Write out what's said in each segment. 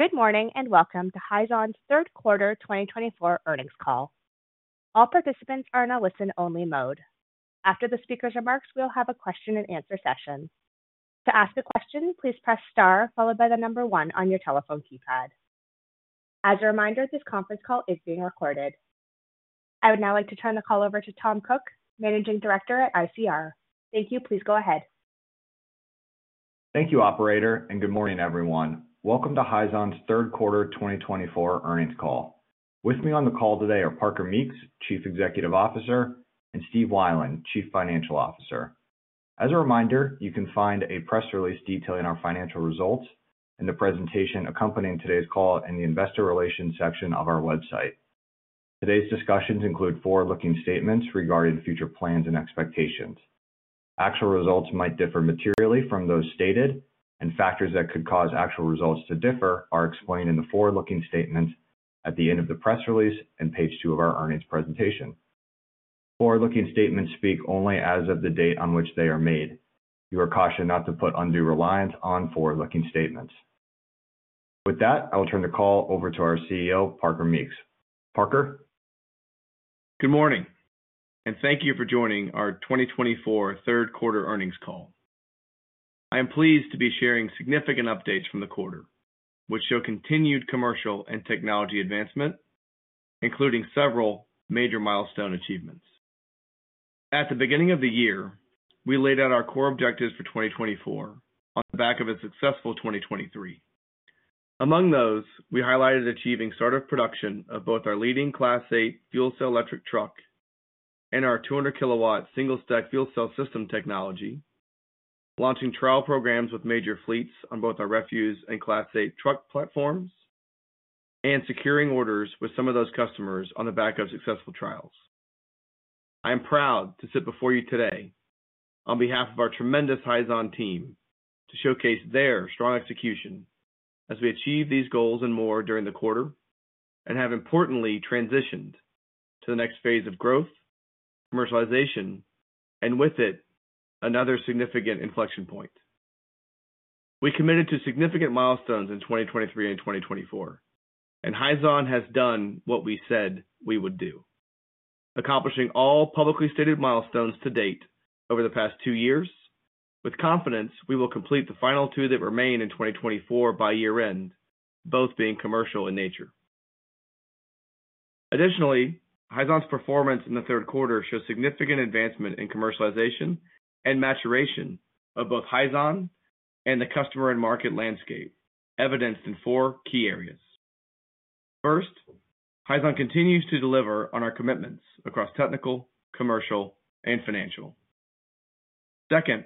Good morning and welcome to Hyzon's third quarter 2024 earnings call. All participants are in a listen-only mode. After the speaker's remarks, we'll have a question-and-answer session. To ask a question, please press star followed by the number one on your telephone keypad. As a reminder, this conference call is being recorded. I would now like to turn the call over to Tom Cook, Managing Director at ICR. Thank you. Please go ahead. Thank you, Operator, and good morning, everyone. Welcome to Hyzon's third quarter 2024 earnings call. With me on the call today are Parker Meeks, Chief Executive Officer, and Steve Weiland, Chief Financial Officer. As a reminder, you can find a press release detailing our financial results in the presentation accompanying today's call in the Investor Relations section of our website. Today's discussions include forward-looking statements regarding future plans and expectations. Actual results might differ materially from those stated, and factors that could cause actual results to differ are explained in the forward-looking statements at the end of the press release and page two of our earnings presentation. Forward-looking statements speak only as of the date on which they are made. You are cautioned not to put undue reliance on forward-looking statements. With that, I will turn the call over to our CEO, Parker Meeks. Parker. Good morning, and thank you for joining our 2024 third quarter earnings call. I am pleased to be sharing significant updates from the quarter, which show continued commercial and technology advancement, including several major milestone achievements. At the beginning of the year, we laid out our core objectives for 2024 on the back of a successful 2023. Among those, we highlighted achieving Start of Production of both our leading Class 8 Fuel Cell Electric Truck and our 200kW single stack Fuel Cell System technology, launching trial programs with major fleets on both our refuse and Class 8 truck platforms, and securing orders with some of those customers on the back of successful trials. I am proud to sit before you today on behalf of our tremendous Hyzon team to showcase their strong execution as we achieve these goals and more during the quarter and have importantly transitioned to the next phase of growth, commercialization, and with it, another significant inflection point. We committed to significant milestones in 2023 and 2024, and Hyzon has done what we said we would do, accomplishing all publicly stated milestones to date over the past two years. With confidence, we will complete the final two that remain in 2024 by year-end, both being commercial in nature. Additionally, Hyzon's performance in the third quarter shows significant advancement in commercialization and maturation of both Hyzon and the customer and market landscape, evidenced in four key areas. First, Hyzon continues to deliver on our commitments across technical, commercial, and financial. Second,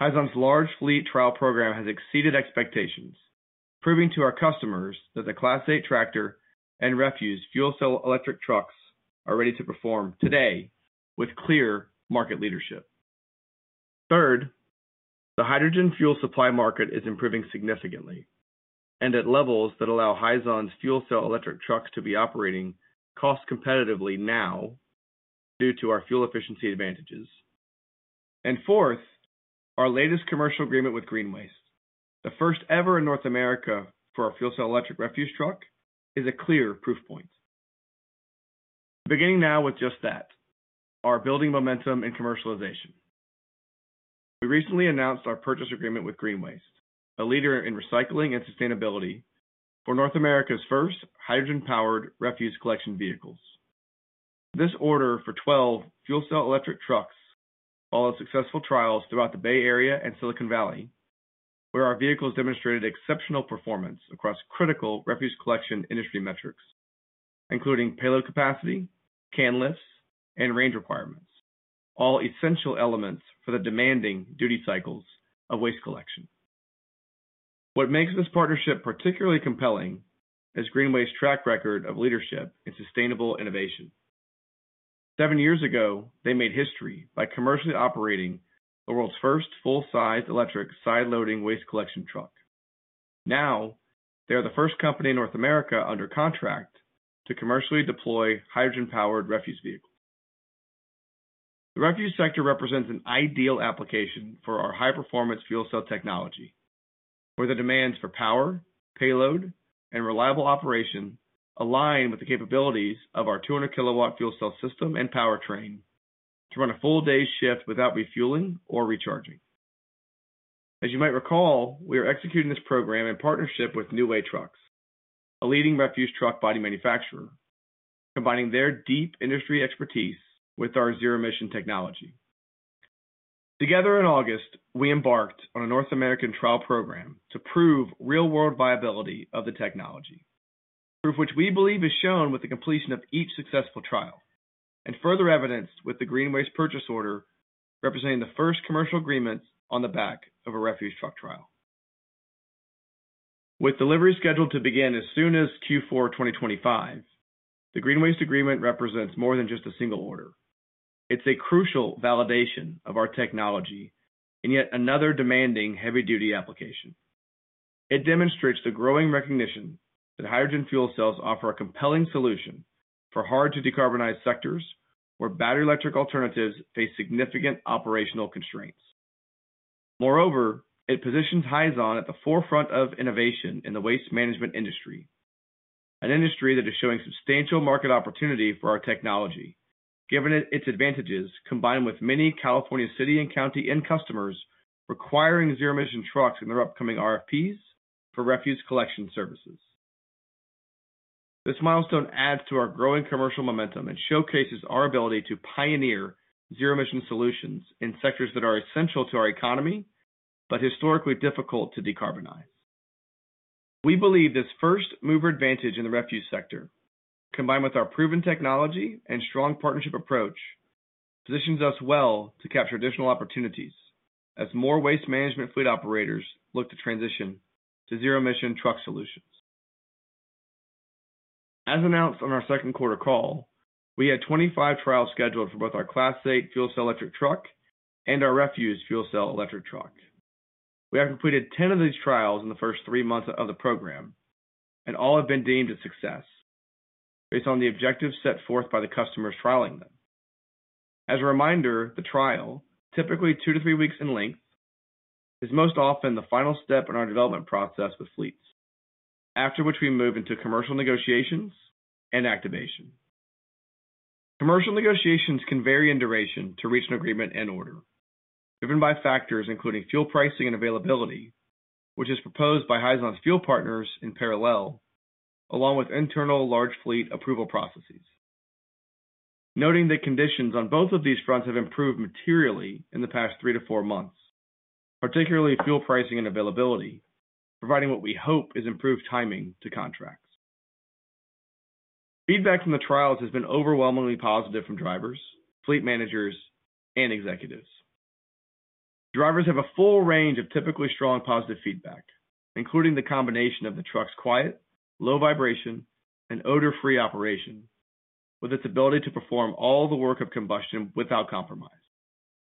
Hyzon's large fleet trial program has exceeded expectations, proving to our customers that the Class 8 tractor and refuse Fuel Cell Electric Trucks are ready to perform today with clear market leadership. Third, the hydrogen fuel supply market is improving significantly and at levels that allow Hyzon's Fuel Cell Electric Trucks to be operating cost competitively now due to our fuel efficiency advantages. And fourth, our latest commercial agreement with GreenWaste, the first ever in North America for a Fuel Cell Electric refuse truck, is a clear proof point. Beginning now with just that, our building momentum in commercialization. We recently announced our purchase agreement with GreenWaste, a leader in recycling and sustainability for North America's first hydrogen-powered refuse collection vehicles. This order for 12 Fuel Cell Electric Trucks followed successful trials throughout the Bay Area and Silicon Valley, where our vehicles demonstrated exceptional performance across critical refuse collection industry metrics, including payload capacity, can lifts, and range requirements, all essential elements for the demanding duty cycles of waste collection. What makes this partnership particularly compelling is GreenWaste's track record of leadership in sustainable innovation. Seven years ago, they made history by commercially operating the world's first full-size electric side-loading waste collection truck. Now, they are the first company in North America under contract to commercially deploy hydrogen-powered refuse vehicles. The refuse sector represents an ideal application for our high-performance fuel cell technology, where the demands for power, payload, and reliable operation align with the capabilities of our 200kW Fuel Cell System and powertrain to run a full day's shift without refueling or recharging. As you might recall, we are executing this program in partnership with New Way Trucks, a leading refuse truck body manufacturer, combining their deep industry expertise with our zero-emission technology. Together in August, we embarked on a North American trial program to prove real-world viability of the technology, proof which we believe is shown with the completion of each successful trial and further evidenced with the GreenWaste purchase order representing the first commercial agreement on the back of a refuse truck trial. With delivery scheduled to begin as soon as Q4 2025, the GreenWaste agreement represents more than just a single order. It's a crucial validation of our technology and yet another demanding heavy-duty application. It demonstrates the growing recognition that hydrogen fuel cells offer a compelling solution for hard-to-decarbonize sectors where battery electric alternatives face significant operational constraints. Moreover, it positions Hyzon at the forefront of innovation in the waste management industry, an industry that is showing substantial market opportunity for our technology, given its advantages combined with many California city and county end customers requiring zero-emission trucks in their upcoming RFPs for refuse collection services. This milestone adds to our growing commercial momentum and showcases our ability to pioneer zero-emission solutions in sectors that are essential to our economy but historically difficult to decarbonize. We believe this first mover advantage in the refuse sector, combined with our proven technology and strong partnership approach, positions us well to capture additional opportunities as more waste management fleet operators look to transition to zero-emission truck solutions. As announced on our second quarter call, we had 25 trials scheduled for both our Class 8 Fuel Cell Electric Truck and our refuse Fuel Cell Electric Truck. We have completed 10 of these trials in the first three months of the program, and all have been deemed a success based on the objectives set forth by the customers trialing them. As a reminder, the trial, typically two to three weeks in length, is most often the final step in our development process with fleets, after which we move into commercial negotiations and activation. Commercial negotiations can vary in duration to reach an agreement and order, driven by factors including fuel pricing and availability, which is proposed by Hyzon's fuel partners in parallel, along with internal large fleet approval processes. Noting that conditions on both of these fronts have improved materially in the past three to four months, particularly fuel pricing and availability, providing what we hope is improved timing to contracts. Feedback from the trials has been overwhelmingly positive from drivers, fleet managers, and executives. Drivers have a full range of typically strong positive feedback, including the combination of the truck's quiet, low vibration, and odor-free operation, with its ability to perform all the work of combustion without compromise,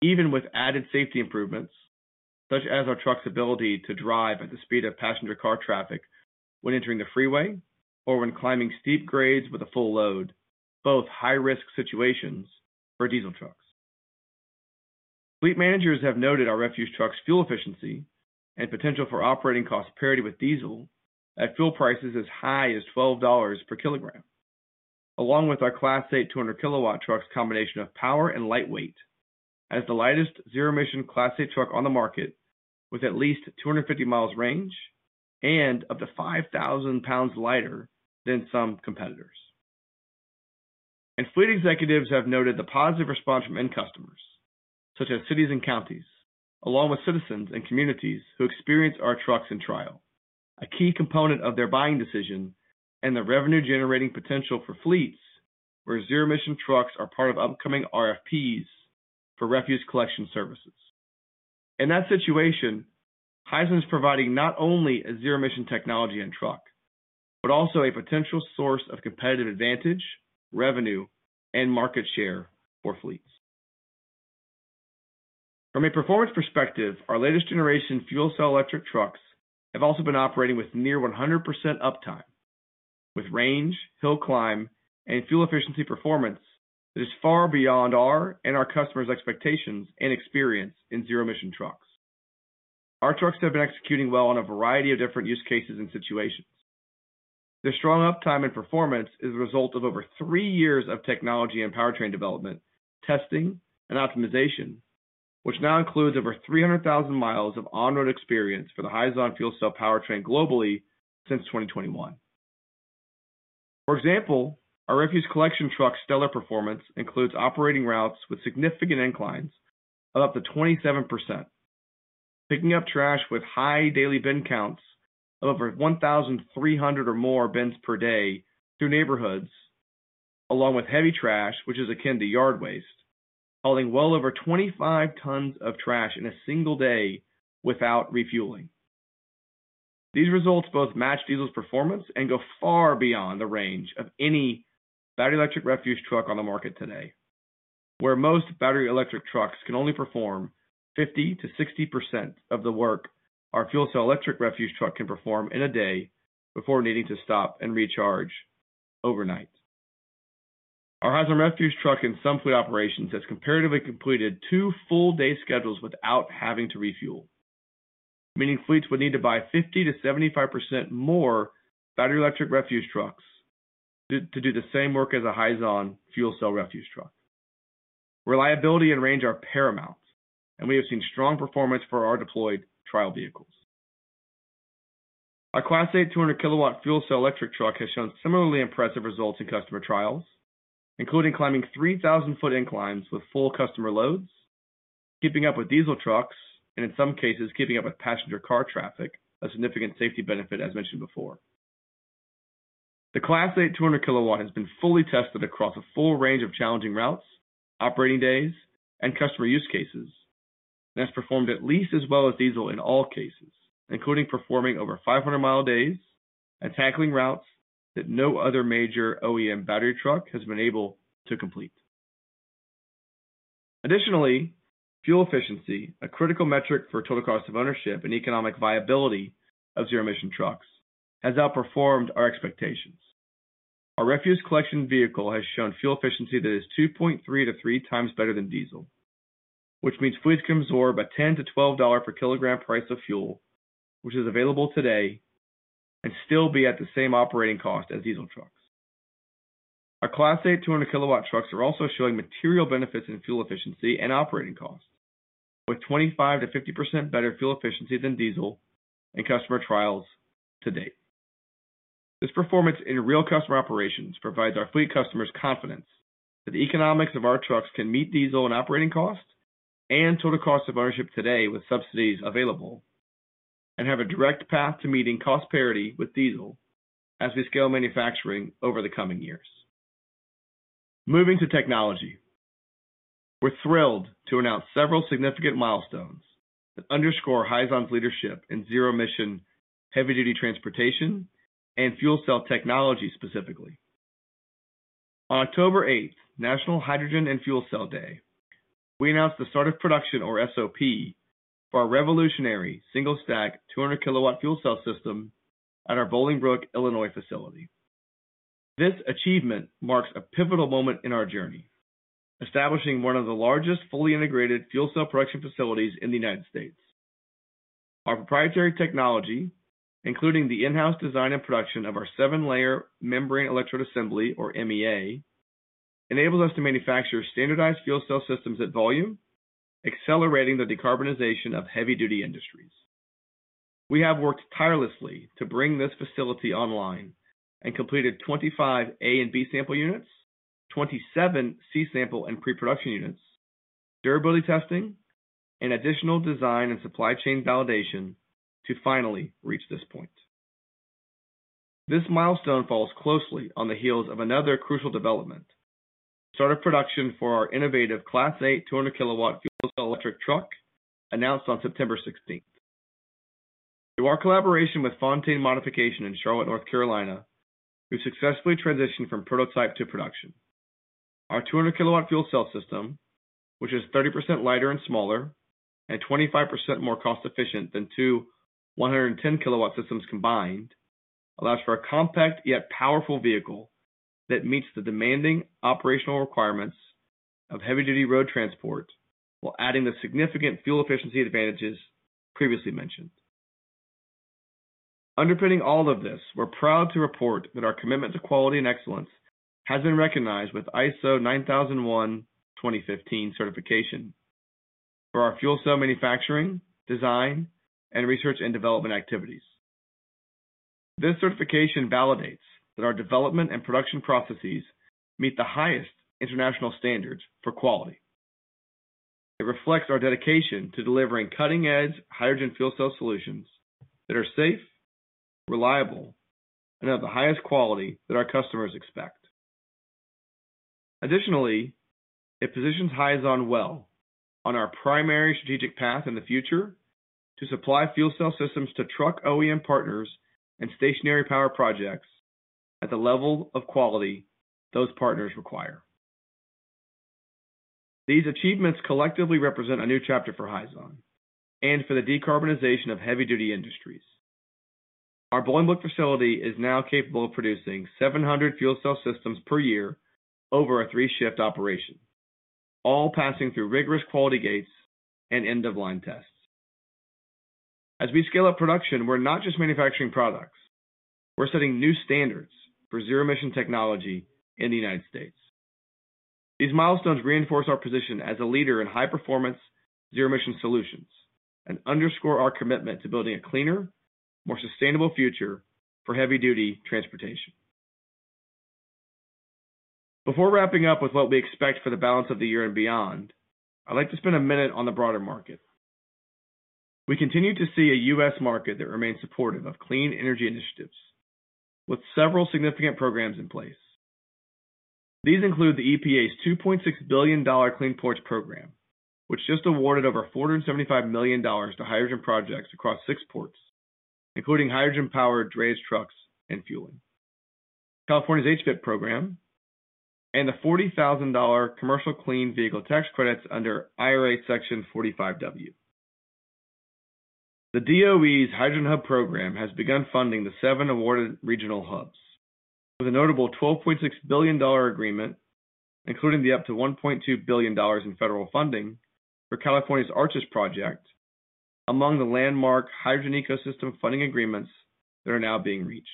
even with added safety improvements such as our truck's ability to drive at the speed of passenger car traffic when entering the freeway or when climbing steep grades with a full load, both high-risk situations for diesel trucks. Fleet managers have noted our refuse truck's fuel efficiency and potential for operating cost parity with diesel at fuel prices as high as $12 per kg, along with our Class 8 200kW truck's combination of power and lightweight as the lightest zero-emission Class 8 truck on the market with at least 250 mi range and up to 5,000 lbs lighter than some competitors. Fleet executives have noted the positive response from end customers, such as cities and counties, along with citizens and communities who experience our trucks in trial, a key component of their buying decision and the revenue-generating potential for fleets where zero-emission trucks are part of upcoming RFPs for refuse collection services. In that situation, Hyzon is providing not only a zero-emission technology and truck, but also a potential source of competitive advantage, revenue, and market share for fleets. From a performance perspective, our latest generation Fuel Cell Electric Trucks have also been operating with near 100% uptime, with range, hill climb, and fuel efficiency performance that is far beyond our and our customers' expectations and experience in zero-emission trucks. Our trucks have been executing well on a variety of different use cases and situations. Their strong uptime and performance is the result of over three years of technology and powertrain development, testing, and optimization, which now includes over 300,000 miles of on-road experience for the Hyzon fuel cell powertrain globally since 2021. For example, our refuse collection truck's stellar performance includes operating routes with significant inclines of up to 27%, picking up trash with high daily bin counts of over 1,300 or more bins per day through neighborhoods, along with heavy trash, which is akin to yard waste, hauling well over 25 tons of trash in a single day without refueling. These results both match diesel's performance and go far beyond the range of any battery electric refuse truck on the market today, where most battery electric trucks can only perform 50%-60% of the work our Fuel Cell Electric refuse truck can perform in a day before needing to stop and recharge overnight. Our Hyzon refuse truck in some fleet operations has comparatively completed two full day schedules without having to refuel, meaning fleets would need to buy 50%-75% more battery electric refuse trucks to do the same work as a Hyzon fuel cell refuse truck. Reliability and range are paramount, and we have seen strong performance for our deployed trial vehicles. Our Class 8 200kW Fuel Cell Electric Truck has shown similarly impressive results in customer trials, including climbing 3,000-foot inclines with full customer loads, keeping up with diesel trucks, and in some cases, keeping up with passenger car traffic, a significant safety benefit, as mentioned before. The Class 8 200kW has been fully tested across a full range of challenging routes, operating days, and customer use cases, and has performed at least as well as diesel in all cases, including performing over 500 mi days and tackling routes that no other major OEM battery truck has been able to complete. Additionally, fuel efficiency, a critical metric for total cost of ownership and economic viability of zero-emission trucks, has outperformed our expectations. Our refuse collection vehicle has shown fuel efficiency that is 2.3 to 3 times better than diesel, which means fleets can absorb a $10-$12 per kilogram price of fuel, which is available today, and still be at the same operating cost as diesel trucks. Our Class 8 200kW trucks are also showing material benefits in fuel efficiency and operating cost, with 25%-50% better fuel efficiency than diesel in customer trials to date. This performance in real customer operations provides our fleet customers confidence that the economics of our trucks can meet diesel and operating cost and total cost of ownership today with subsidies available, and have a direct path to meeting cost parity with diesel as we scale manufacturing over the coming years. Moving to technology, we're thrilled to announce several significant milestones that underscore Hyzon's leadership in zero-emission heavy-duty transportation and fuel cell technology specifically. On October 8th, National Hydrogen and Fuel Cell Day, we announced the Start of Production, or SOP, for our revolutionary single-stack 200kW Fuel Cell System at our Bolingbrook, Illinois, facility. This achievement marks a pivotal moment in our journey, establishing one of the largest fully integrated fuel cell production facilities in the United States. Our proprietary technology, including the in-house design and production of our seven-layer membrane electrode assembly, or MEA, enables us to manufacture standardized Fuel Cell Systems at volume, accelerating the decarbonization of heavy-duty industries. We have worked tirelessly to bring this facility online and completed 25 A and B sample units, 27 C sample and pre-production units, durability testing, and additional design and supply chain validation to finally reach this point. This milestone falls closely on the heels of another crucial development: the Start of Production for our innovative Class 8 200kW Fuel Cell Electric Truck announced on September 16th. Through our collaboration with Fontaine Modification in Charlotte, North Carolina, we've successfully transitioned from prototype to production. Our 200kW Fuel Cell System, which is 30% lighter and smaller and 25% more cost-efficient than two 110kW systems combined, allows for a compact yet powerful vehicle that meets the demanding operational requirements of heavy-duty road transport while adding the significant fuel efficiency advantages previously mentioned. Underpinning all of this, we're proud to report that our commitment to quality and excellence has been recognized with ISO 9001:2015 certification for our fuel cell manufacturing, design, and research and development activities. This certification validates that our development and production processes meet the highest international standards for quality. It reflects our dedication to delivering cutting-edge hydrogen fuel cell solutions that are safe, reliable, and of the highest quality that our customers expect. Additionally, it positions Hyzon well on our primary strategic path in the future to supply Fuel Cell Systems to truck OEM partners and stationary power projects at the level of quality those partners require. These achievements collectively represent a new chapter for Hyzon and for the decarbonization of heavy-duty industries. Our Bolingbrook facility is now capable of producing 700 Fuel Cell Systems per year over a three-shift operation, all passing through rigorous quality gates and end-of-line tests. As we scale up production, we're not just manufacturing products. We're setting new standards for zero-emission technology in the United States. These milestones reinforce our position as a leader in high-performance zero-emission solutions and underscore our commitment to building a cleaner, more sustainable future for heavy-duty transportation. Before wrapping up with what we expect for the balance of the year and beyond, I'd like to spend a minute on the broader market. We continue to see a U.S. market that remains supportive of clean energy initiatives, with several significant programs in place. These include the EPA's $2.6 billion Clean Ports Program, which just awarded over $475 million to hydrogen projects across six ports, including hydrogen-powered drayage trucks and fueling, California's HVIP program, and the $40,000 commercial clean vehicle tax credits under IRA Section 45W. The DOE's Hydrogen Hub Program has begun funding the seven awarded regional hubs, with a notable $12.6 billion agreement, including the up to $1.2 billion in federal funding for California's ARCHES Project, among the landmark hydrogen ecosystem funding agreements that are now being reached.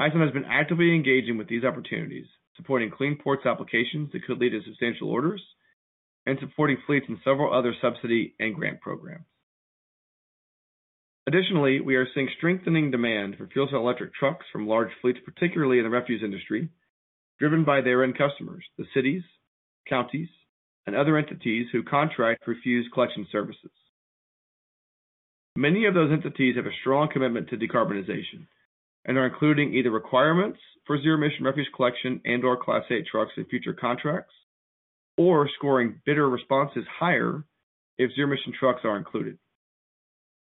Hyzon has been actively engaging with these opportunities, supporting clean ports applications that could lead to substantial orders and supporting fleets in several other subsidy and grant programs. Additionally, we are seeing strengthening demand for Fuel Cell Electric Trucks from large fleets, particularly in the refuse industry, driven by their end customers, the cities, counties, and other entities who contract refuse collection services. Many of those entities have a strong commitment to decarbonization and are including either requirements for zero-emission refuse collection and/or Class 8 trucks in future contracts or scoring bidder responses higher if zero-emission trucks are included.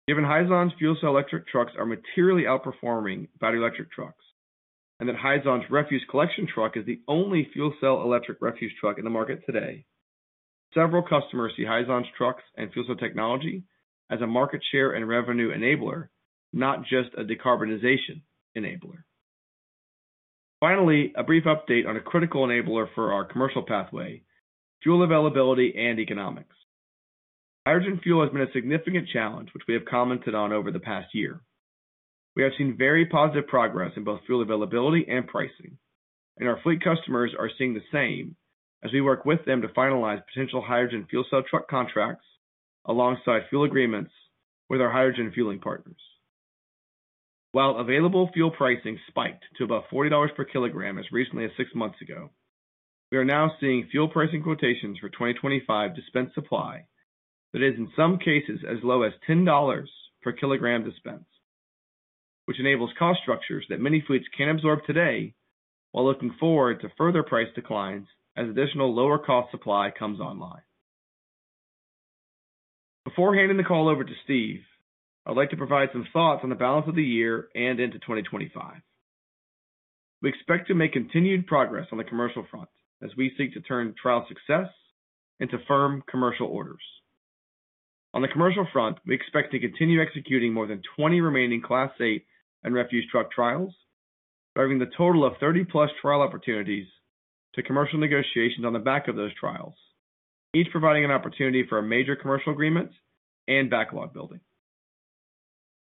Given Hyzon's Fuel Cell Electric Trucks are materially outperforming battery electric trucks and that Hyzon's refuse collection truck is the only Fuel Cell Electric refuse truck in the market today, several customers see Hyzon's trucks and fuel cell technology as a market share and revenue enabler, not just a decarbonization enabler. Finally, a brief update on a critical enabler for our commercial pathway: fuel availability and economics. Hydrogen fuel has been a significant challenge, which we have commented on over the past year. We have seen very positive progress in both fuel availability and pricing, and our fleet customers are seeing the same as we work with them to finalize potential hydrogen fuel cell truck contracts alongside fuel agreements with our hydrogen fueling partners. While available fuel pricing spiked to above $40 per kilogram as recently as six months ago, we are now seeing fuel pricing quotations for 2025 dispensed supply that is, in some cases, as low as $10 per kilogram dispensed, which enables cost structures that many fleets can't absorb today while looking forward to further price declines as additional lower-cost supply comes online. Before handing the call over to Steve, I'd like to provide some thoughts on the balance of the year and into 2025. We expect to make continued progress on the commercial front as we seek to turn trial success into firm commercial orders. On the commercial front, we expect to continue executing more than 20 remaining Class 8 and refuse truck trials, driving the total of 30+ trial opportunities to commercial negotiations on the back of those trials, each providing an opportunity for a major commercial agreement and backlog building.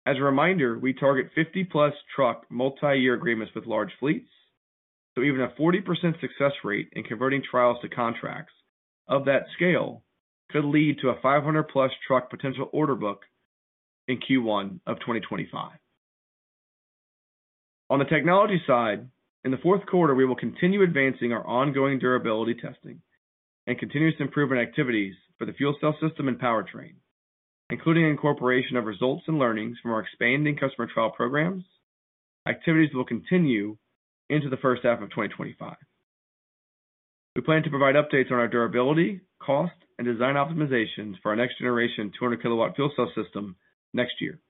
As a reminder, we target 50+ truck multi-year agreements with large fleets, so even a 40% success rate in converting trials to contracts of that scale could lead to a 500+ truck potential order book in Q1 of 2025. On the technology side, in the fourth quarter, we will continue advancing our ongoing durability testing and continuous improvement activities for the Fuel Cell System and powertrain, including incorporation of results and learnings from our expanding customer trial programs. Activities will continue into the first half of 2025. We plan to provide updates on our durability, cost, and design optimizations for our next-generation 200kW Fuel Cell System next year.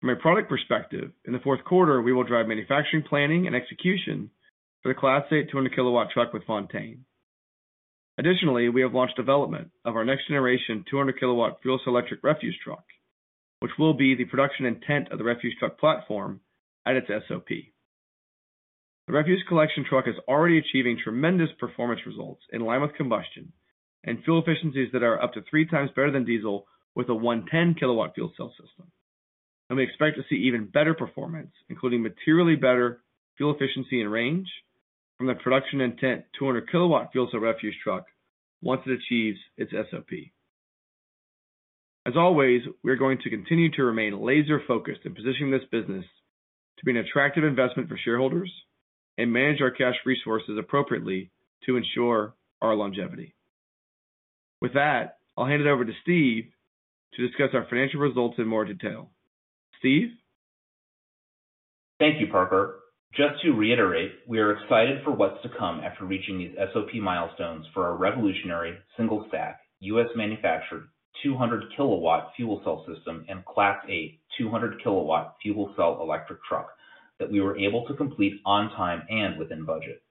From a product perspective, in the fourth quarter, we will drive manufacturing, planning, and execution for the Class 8 200kW truck with Fontaine. Additionally, we have launched development of our next-generation 200kW Fuel Cell Electric refuse truck, which will be the production intent of the refuse truck platform at its SOP. The refuse collection truck is already achieving tremendous performance results in line with combustion and fuel efficiencies that are up to three times better than diesel with a 110kW Fuel Cell System. And we expect to see even better performance, including materially better fuel efficiency and range, from the production intent 200kW fuel cell refuse truck once it achieves its SOP. As always, we are going to continue to remain laser-focused in positioning this business to be an attractive investment for shareholders and manage our cash resources appropriately to ensure our longevity. With that, I'll hand it over to Steve to discuss our financial results in more detail. Steve? Thank you, Parker. Just to reiterate, we are excited for what's to come after reaching these SOP milestones for our revolutionary single-stack U.S.-manufactured 200kW Fuel Cell System and Class 8 200kW Fuel Cell Electric Truck that we were able to complete on time and within budget.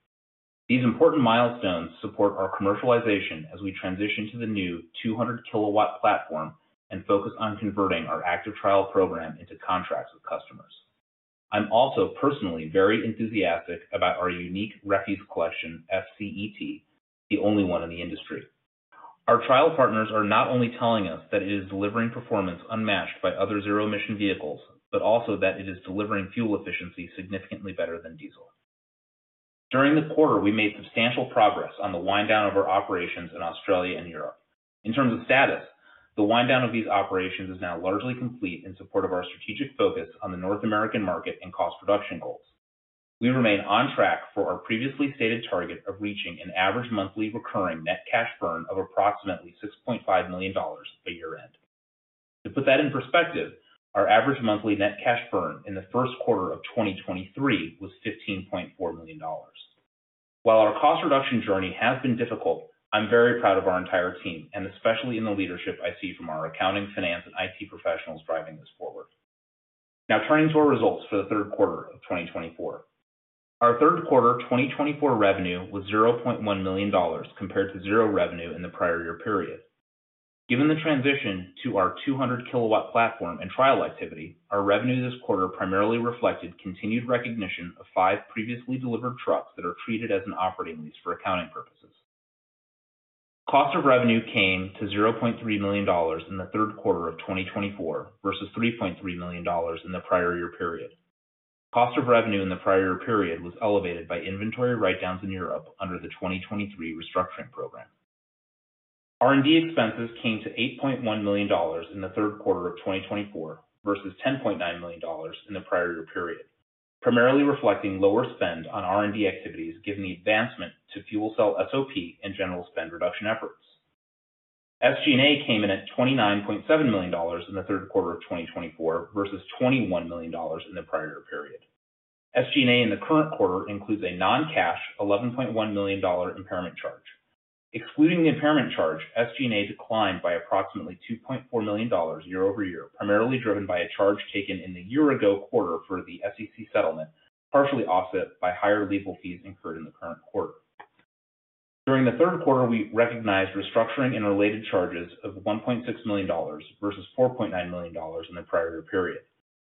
These important milestones support our commercialization as we transition to the new 200kW platform and focus on converting our active trial program into contracts with customers. I'm also personally very enthusiastic about our unique refuse collection, FCET, the only one in the industry. Our trial partners are not only telling us that it is delivering performance unmatched by other zero-emission vehicles, but also that it is delivering fuel efficiency significantly better than diesel. During the quarter, we made substantial progress on the wind-down of our operations in Australia and Europe. In terms of status, the wind-down of these operations is now largely complete in support of our strategic focus on the North American market and cost reduction goals. We remain on track for our previously stated target of reaching an average monthly recurring net cash burn of approximately $6.5 million by year-end. To put that in perspective, our average monthly net cash burn in the first quarter of 2023 was $15.4 million. While our cost reduction journey has been difficult, I'm very proud of our entire team, and especially in the leadership I see from our accounting, finance, and IT professionals driving this forward. Now, turning to our results for the third quarter of 2024. Our third quarter 2024 revenue was $0.1 million compared to zero revenue in the prior year period. Given the transition to our 200kW platform and trial activity, our revenue this quarter primarily reflected continued recognition of five previously delivered trucks that are treated as an operating lease for accounting purposes. Cost of revenue came to $0.3 million in the third quarter of 2024 versus $3.3 million in the prior year period. Cost of revenue in the prior year period was elevated by inventory write-downs in Europe under the 2023 restructuring program. R&D expenses came to $8.1 million in the third quarter of 2024 versus $10.9 million in the prior year period, primarily reflecting lower spend on R&D activities given the advancement to fuel cell SOP and general spend reduction efforts. SG&A came in at $29.7 million in the third quarter of 2024 versus $21 million in the prior year period. SG&A in the current quarter includes a non-cash $11.1 million impairment charge. Excluding the impairment charge, SG&A declined by approximately $2.4 million year-over-year, primarily driven by a charge taken in the year-ago quarter for the SEC settlement, partially offset by higher legal fees incurred in the current quarter. During the third quarter, we recognized restructuring and related charges of $1.6 million versus $4.9 million in the prior year period.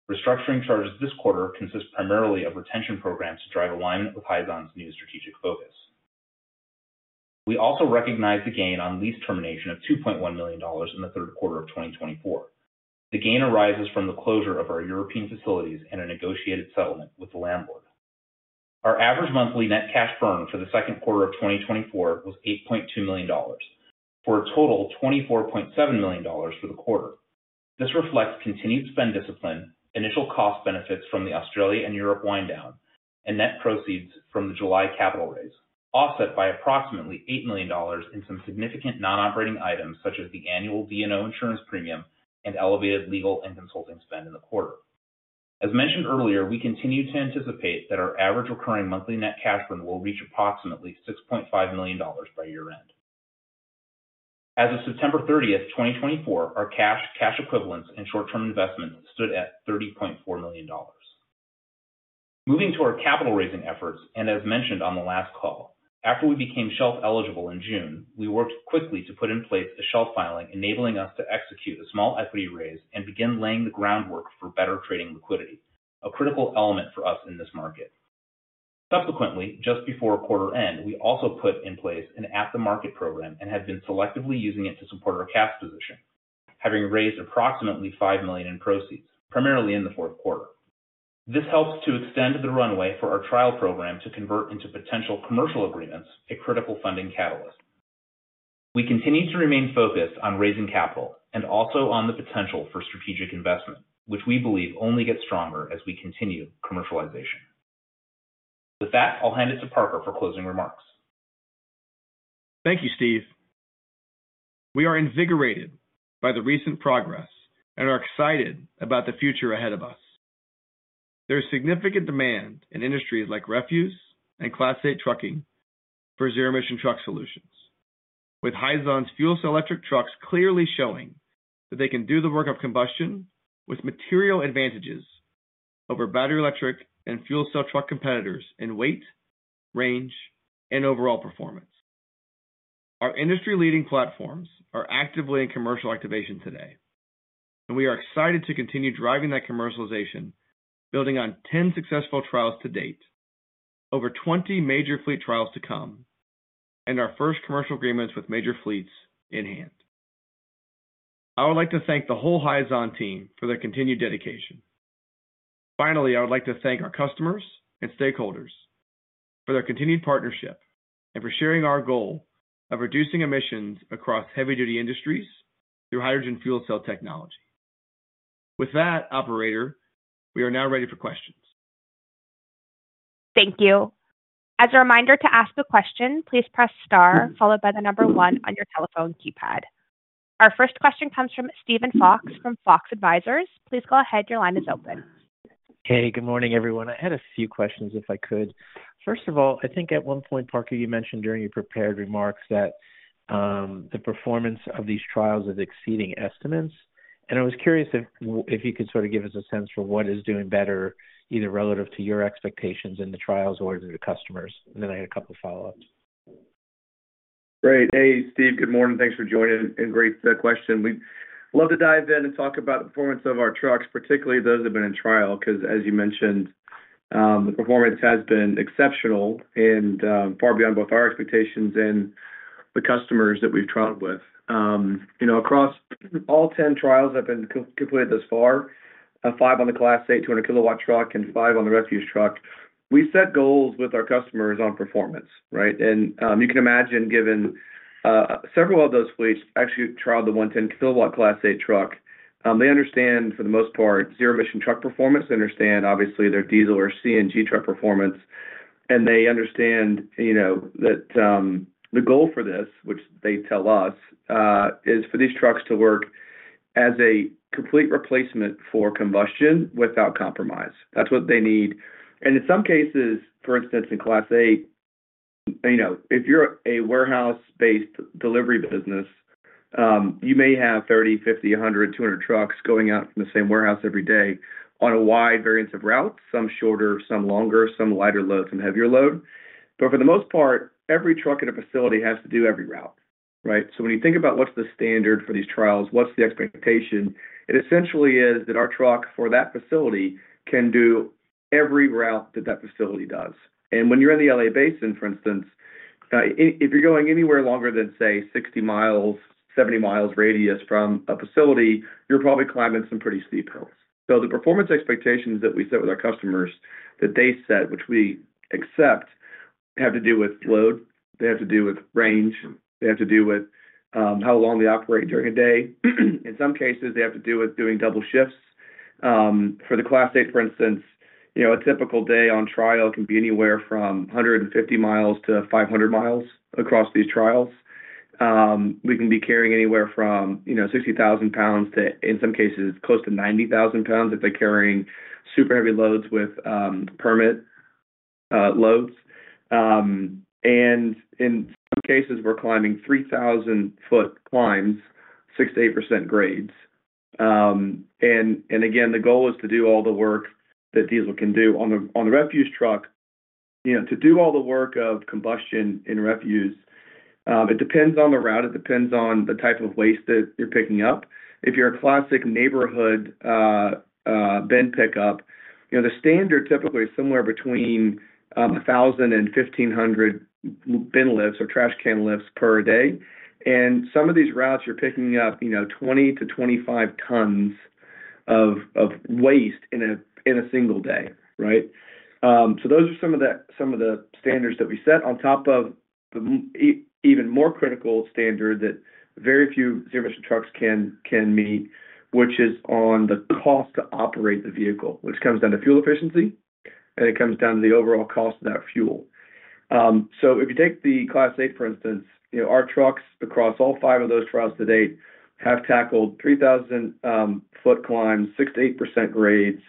Restructuring charges this quarter consist primarily of retention programs to drive alignment with Hyzon's new strategic focus. We also recognize the gain on lease termination of $2.1 million in the third quarter of 2024. The gain arises from the closure of our European facilities and a negotiated settlement with the landlord. Our average monthly net cash burn for the second quarter of 2024 was $8.2 million, for a total of $24.7 million for the quarter. This reflects continued spend discipline, initial cost benefits from the Australia and Europe wind-down, and net proceeds from the July capital raise, offset by approximately $8 million in some significant non-operating items such as the annual D&O insurance premium and elevated legal and consulting spend in the quarter. As mentioned earlier, we continue to anticipate that our average recurring monthly net cash burn will reach approximately $6.5 million by year-end. As of September 30, 2024, our cash, cash equivalents, and short-term investments stood at $30.4 million. Moving to our capital raising efforts, and as mentioned on the last call, after we became shelf-eligible in June, we worked quickly to put in place a shelf filing enabling us to execute a small equity raise and begin laying the groundwork for better trading liquidity, a critical element for us in this market. Subsequently, just before quarter-end, we also put in place an at-the-market program and have been selectively using it to support our cash position, having raised approximately $5 million in proceeds, primarily in the fourth quarter. This helps to extend the runway for our trial program to convert into potential commercial agreements, a critical funding catalyst. We continue to remain focused on raising capital and also on the potential for strategic investment, which we believe only gets stronger as we continue commercialization. With that, I'll hand it to Parker for closing remarks. Thank you, Steve. We are invigorated by the recent progress and are excited about the future ahead of us. There is significant demand in industries like refuse and Class 8 trucking for zero-emission truck solutions, with Hyzon's Fuel Cell Electric Trucks clearly showing that they can do the work of combustion with material advantages over battery electric and fuel cell truck competitors in weight, range, and overall performance. Our industry-leading platforms are actively in commercial activation today, and we are excited to continue driving that commercialization, building on 10 successful trials to date, over 20 major fleet trials to come, and our first commercial agreements with major fleets in hand. I would like to thank the whole Hyzon team for their continued dedication. Finally, I would like to thank our customers and stakeholders for their continued partnership and for sharing our goal of reducing emissions across heavy-duty industries through hydrogen fuel cell technology. With that, Operator, we are now ready for questions. Thank you. As a reminder to ask a question, please press star followed by the number one on your telephone keypad. Our first question comes from Steven Fox from Fox Advisors. Please go ahead. Your line is open. Hey, good morning, everyone. I had a few questions, if I could. First of all, I think at one point, Parker, you mentioned during your prepared remarks that the performance of these trials is exceeding estimates. And I was curious if you could sort of give us a sense for what is doing better, either relative to your expectations in the trials or to the customers. And then I had a couple of follow-ups. Great. Hey, Steve, good morning. Thanks for joining. And great question. We'd love to dive in and talk about the performance of our trucks, particularly those that have been in trial, because, as you mentioned, the performance has been exceptional and far beyond both our expectations and the customers that we've trialed with. Across all 10 trials that have been completed thus far, five on the Class 8 200kW truck and five on the refuse truck, we set goals with our customers on performance, right? And you can imagine, given several of those fleets actually trialed the 110kW Class 8 truck, they understand, for the most part, zero-emission truck performance. They understand, obviously, their diesel or CNG truck performance. And they understand that the goal for this, which they tell us, is for these trucks to work as a complete replacement for combustion without compromise. That's what they need. And in some cases, for instance, in Class 8, if you're a warehouse-based delivery business, you may have 30, 50, 100, 200 trucks going out from the same warehouse every day on a wide variance of routes, some shorter, some longer, some lighter load, some heavier load. But for the most part, every truck at a facility has to do every route, right? So when you think about what's the standard for these trials, what's the expectation, it essentially is that our truck for that facility can do every route that that facility does. And when you're in the LA Basin, for instance, if you're going anywhere longer than, say, 60 miles, 70 miles radius from a facility, you're probably climbing some pretty steep hills. So the performance expectations that we set with our customers that they set, which we accept, have to do with load. They have to do with range. They have to do with how long they operate during a day. In some cases, they have to do with doing double shifts. For the Class 8, for instance, a typical day on trial can be anywhere from 150 mi to 500 mi across these trials. We can be carrying anywhere from 60,000 lbs to, in some cases, close to 90,000 lbs if they're carrying super heavy loads with permit loads. And in some cases, we're climbing 3,000-ft climbs, 6%-8% grades. And again, the goal is to do all the work that diesel can do. On the refuse truck, to do all the work of combustion and refuse, it depends on the route. It depends on the type of waste that you're picking up. If you're a classic neighborhood bin pickup, the standard typically is somewhere between 1,000 and 1,500 bin lifts or trash can lifts per day, and some of these routes, you're picking up 20-25 tons of waste in a single day, right? Those are some of the standards that we set, on top of the even more critical standard that very few zero-emission trucks can meet, which is on the cost to operate the vehicle, which comes down to fuel efficiency, and it comes down to the overall cost of that fuel. If you take the Class 8, for instance, our trucks across all five of those trials to date have tackled 3,000-foot climbs, 6%-8% grades,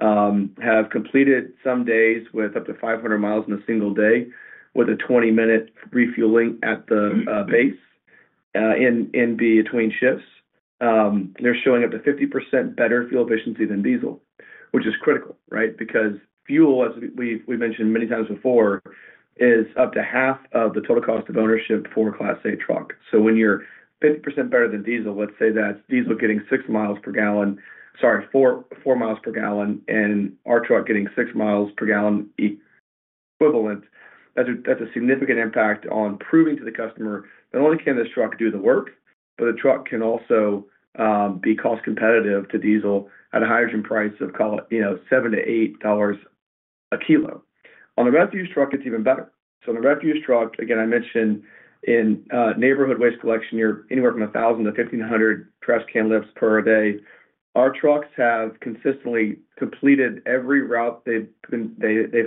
have completed some days with up to 500 miles in a single day with a 20-minute refueling at the base and between shifts. They're showing up to 50% better fuel efficiency than diesel, which is critical, right? Because fuel, as we've mentioned many times before, is up to half of the total cost of ownership for a Class 8 truck. So when you're 50% better than diesel, let's say that's diesel getting 6 miles per gallon, sorry, 4 miles per gallon, and our truck getting 6 miles per gallon equivalent, that's a significant impact on proving to the customer not only can this truck do the work, but the truck can also be cost competitive to diesel at a hydrogen price of $7-$8 a kilo. On the refuse truck, it's even better. So on the refuse truck, again, I mentioned in neighborhood waste collection, you're anywhere from 1,000-1,500 trash can lifts per day. Our trucks have consistently completed every route they've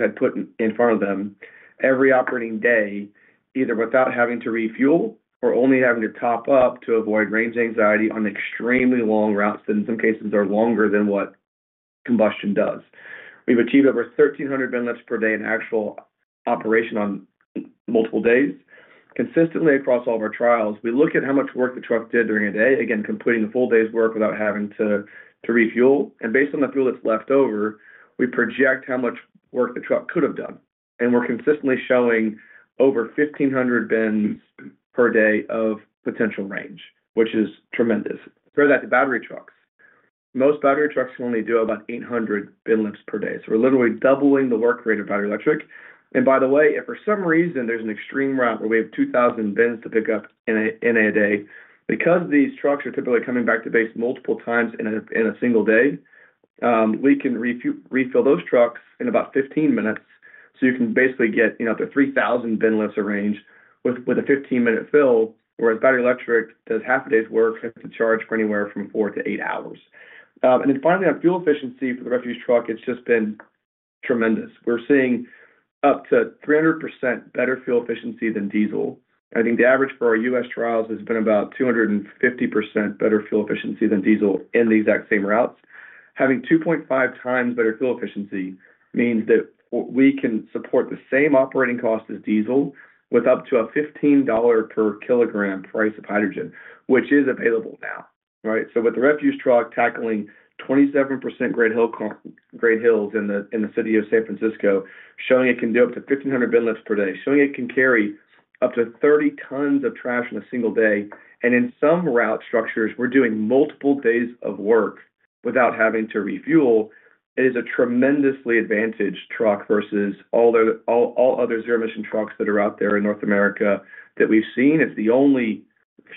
had put in front of them every operating day, either without having to refuel or only having to top up to avoid range anxiety on extremely long routes that, in some cases, are longer than what combustion does. We've achieved over 1,300 bin lifts per day in actual operation on multiple days. Consistently, across all of our trials, we look at how much work the truck did during a day, again, completing the full day's work without having to refuel, and based on the fuel that's left over, we project how much work the truck could have done, and we're consistently showing over 1,500 bins per day of potential range, which is tremendous. Compare that to battery trucks. Most battery trucks can only do about 800 bin lifts per day, so we're literally doubling the work rate of battery electric. By the way, if for some reason there's an extreme route where we have 2,000 bins to pick up in a day, because these trucks are typically coming back to base multiple times in a single day, we can refill those trucks in about 15 minutes. You can basically get up to 3,000 bin lifts of range with a 15-minute fill, whereas battery electric does half a day's work, has to charge for anywhere from 4-8 hours. Then finally, on fuel efficiency for the refuse truck, it's just been tremendous. We're seeing up to 300% better fuel efficiency than diesel. I think the average for our U.S. trials has been about 250% better fuel efficiency than diesel in the exact same routes. Having 2.5 times better fuel efficiency means that we can support the same operating cost as diesel with up to a $15 per kilogram price of hydrogen, which is available now, right? So with the refuse truck tackling 27% great hills in the city of San Francisco, showing it can do up to 1,500 bin lifts per day, showing it can carry up to 30 tons of trash in a single day, and in some route structures, we're doing multiple days of work without having to refuel. It is a tremendously advantaged truck versus all other zero-emission trucks that are out there in North America that we've seen. It's the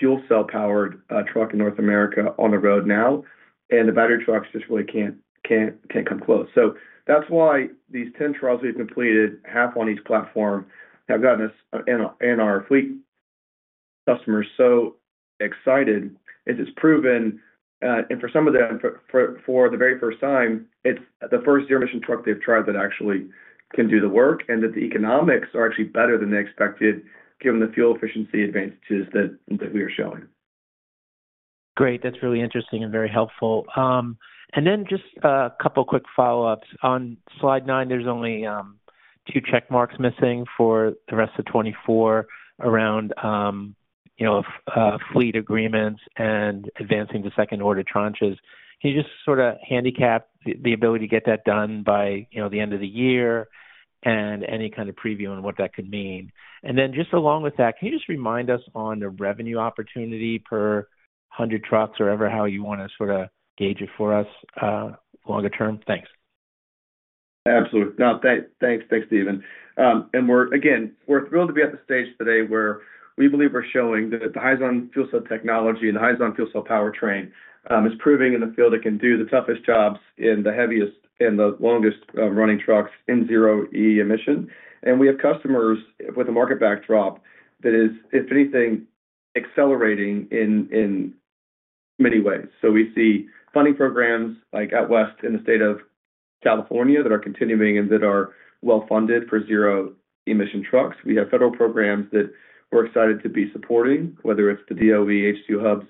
only fuel cell-powered truck in North America on the road now. And the battery trucks just really can't come close. So that's why these 10 trials we've completed, half on each platform, have gotten us and our fleet customers so excited. It's proven, and for some of them, for the very first time, it's the first zero-emission truck they've tried that actually can do the work and that the economics are actually better than they expected, given the fuel efficiency advantages that we are showing. Great. That's really interesting and very helpful. And then just a couple of quick follow-ups. On slide 9, there's only two checkmarks missing for the rest of 2024 around fleet agreements and advancing to second-order tranches. Can you just sort of handicap the ability to get that done by the end of the year and any kind of preview on what that could mean? And then just along with that, can you just remind us on the revenue opportunity per 100 trucks or however you want to sort of gauge it for us longer term? Thanks. Absolutely. No, thanks. Thanks, Steve. And again, we're thrilled to be at the stage today where we believe we're showing that the Hyzon fuel cell technology and the Hyzon fuel cell powertrain is proving in the field it can do the toughest jobs in the heaviest and the longest-running trucks in zero-emission. And we have customers with a market backdrop that is, if anything, accelerating in many ways. So we see funding programs like out west in the state of California that are continuing and that are well-funded for zero-emission trucks. We have federal programs that we're excited to be supporting, whether it's the DOE H2 hubs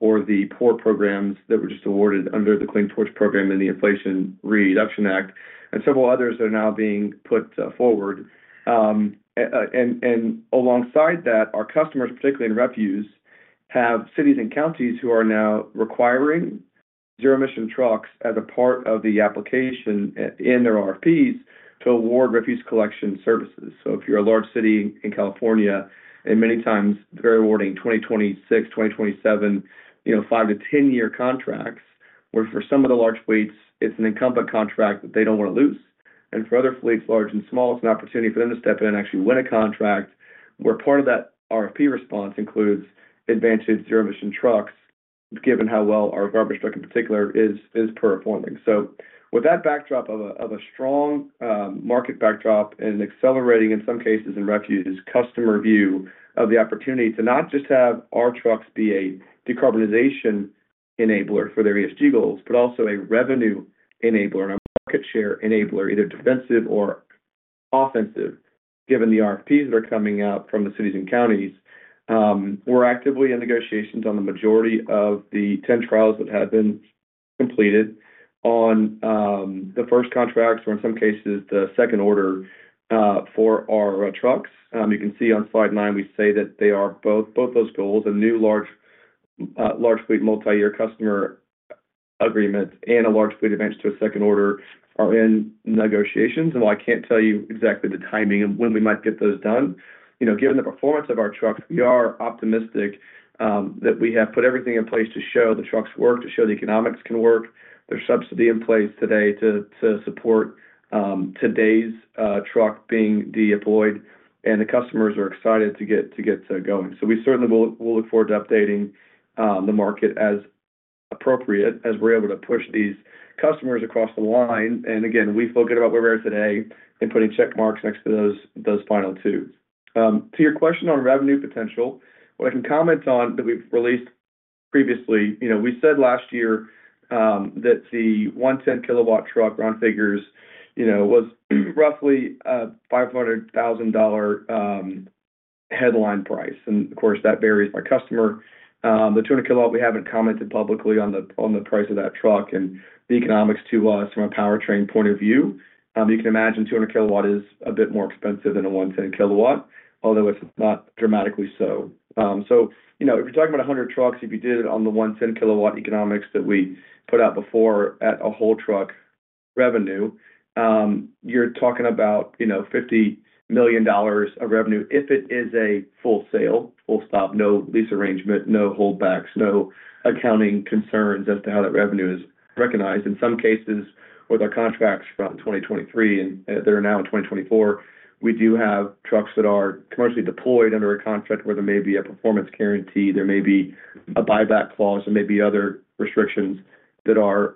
or the port programs that were just awarded under the Clean Ports Program and the Inflation Reduction Act, and several others that are now being put forward. And alongside that, our customers, particularly in refuse, have cities and counties who are now requiring zero-emission trucks as a part of the application in their RFPs to award refuse collection services. So if you're a large city in California, and many times they're awarding 2026, 2027, 5- to 10-year contracts, where for some of the large fleets, it's an incumbent contract that they don't want to lose. For other fleets, large and small, it's an opportunity for them to step in and actually win a contract, where part of that RFP response includes advanced zero-emission trucks, given how well our garbage truck in particular is performing. With that backdrop of a strong market backdrop and accelerating, in some cases in refuse, customer view of the opportunity to not just have our trucks be a decarbonization enabler for their ESG goals, but also a revenue enabler and a market share enabler, either defensive or offensive, given the RFPs that are coming out from the cities and counties. We're actively in negotiations on the majority of the 10 trials that have been completed on the first contracts or, in some cases, the second order for our trucks. You can see on slide 9, we say that both those goals, a new large fleet multi-year customer agreement and a large fleet advance to a second order, are in negotiations, and while I can't tell you exactly the timing of when we might get those done, given the performance of our trucks, we are optimistic that we have put everything in place to show the trucks work, to show the economics can work. There's subsidy in place today to support today's truck being deployed, and the customers are excited to get going, so we certainly will look forward to updating the market as appropriate as we're able to push these customers across the line. And again, we feel good about where we are today in putting checkmarks next to those final two. To your question on revenue potential, what I can comment on that we've released previously, we said last year that the 110kW truck round figures was roughly a $500,000 headline price. And of course, that varies by customer. The 200kW, we haven't commented publicly on the price of that truck and the economics to us from a powertrain point of view. You can imagine 200kW is a bit more expensive than a 110kW, although it's not dramatically so. So if you're talking about 100 trucks, if you did it on the 110kW economics that we put out before at a whole truck revenue, you're talking about $50 million of revenue if it is a full sale, full stop, no lease arrangement, no holdbacks, no accounting concerns as to how that revenue is recognized. In some cases, with our contracts from 2023 and they're now in 2024, we do have trucks that are commercially deployed under a contract where there may be a performance guarantee, there may be a buyback clause, there may be other restrictions that our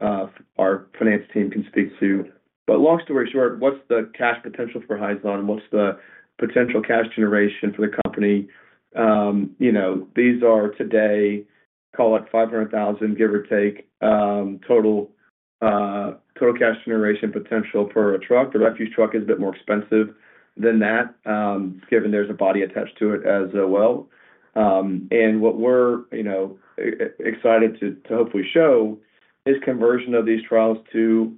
finance team can speak to, but long story short, what's the cash potential for Hyzon and what's the potential cash generation for the company? These are today, call it $500,000, give or take, total cash generation potential for a truck. The refuse truck is a bit more expensive than that, given there's a body attached to it as well. What we're excited to hopefully show is conversion of these trials to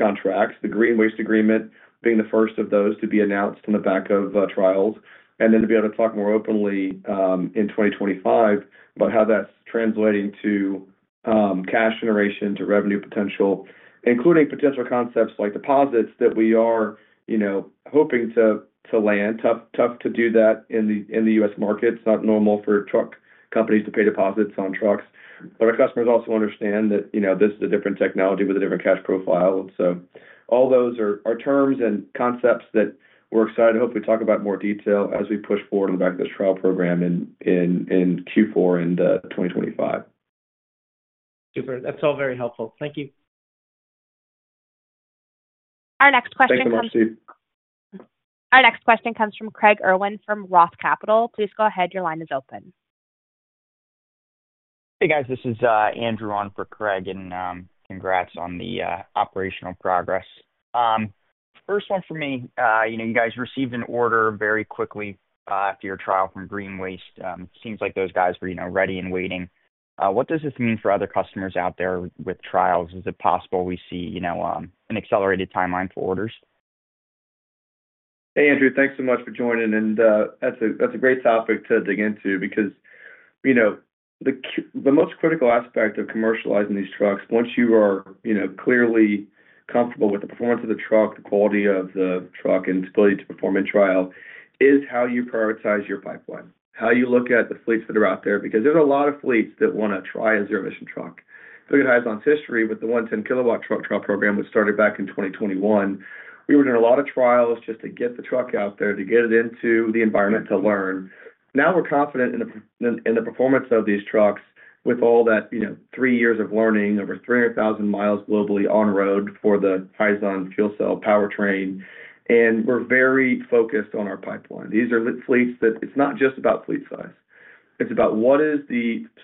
contracts, the GreenWaste agreement being the first of those to be announced on the back of trials, and then to be able to talk more openly in 2025 about how that's translating to cash generation, to revenue potential, including potential concepts like deposits that we are hoping to land. Tough to do that in the U.S. market. It's not normal for truck companies to pay deposits on trucks. But our customers also understand that this is a different technology with a different cash profile. And so all those are terms and concepts that we're excited to hopefully talk about in more detail as we push forward on the back of this trial program in Q4 in 2025. Super. That's all very helpful. Thank you. Our next question comes from. Thanks, Steve. Our next question comes from Craig Irwin from Roth Capital. Please go ahead. Your line is open. Hey, guys. This is Andrew on for Craig, and congrats on the operational progress. First one for me, you guys received an order very quickly after your trial from GreenWaste. Seems like those guys were ready and waiting. What does this mean for other customers out there with trials? Is it possible we see an accelerated timeline for orders? Hey, Andrew. Thanks so much for joining. That's a great topic to dig into because the most critical aspect of commercializing these trucks, once you are clearly comfortable with the performance of the truck, the quality of the truck, and the ability to perform in trial, is how you prioritize your pipeline, how you look at the fleets that are out there. Because there's a lot of fleets that want to try a zero-emission truck. Look at Hyzon's history with the 110kW truck trial program, which started back in 2021. We were doing a lot of trials just to get the truck out there, to get it into the environment to learn. Now we're confident in the performance of these trucks with all that three years of learning, over 300,000 mi globally on road for the Hyzon fuel cell powertrain. And we're very focused on our pipeline. These are fleets that it's not just about fleet size. It's about what is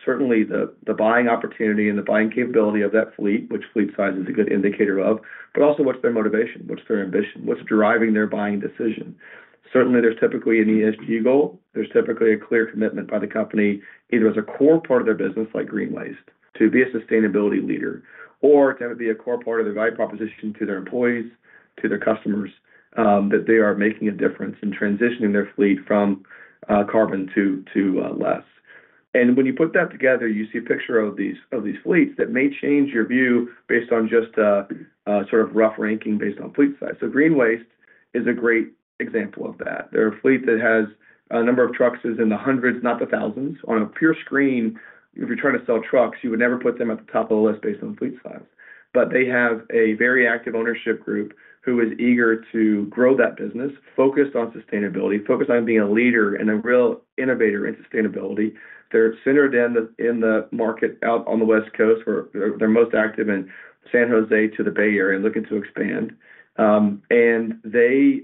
certainly the buying opportunity and the buying capability of that fleet, which fleet size is a good indicator of, but also what's their motivation, what's their ambition, what's driving their buying decision. Certainly, there's typically an ESG goal. There's typically a clear commitment by the company, either as a core part of their business like GreenWaste, to be a sustainability leader, or to be a core part of their value proposition to their employees, to their customers, that they are making a difference in transitioning their fleet from carbon to less. And when you put that together, you see a picture of these fleets that may change your view based on just a sort of rough ranking based on fleet size. So GreenWaste is a great example of that. They're a fleet that has a number of trucks that are in the hundreds, not the thousands. On a pure screen, if you're trying to sell trucks, you would never put them at the top of the list based on fleet size. But they have a very active ownership group who is eager to grow that business, focused on sustainability, focused on being a leader and a real innovator in sustainability. They're centered in the market out on the West Coast. They're most active in San Jose to the Bay Area and looking to expand. And they